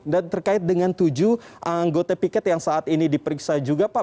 dan terkait dengan tujuh anggota piket yang saat ini diperiksa juga pak